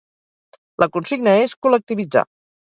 La consigna és col·lectivitzar.